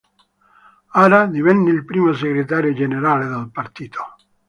Hara divenne il primo segretario generale del partito.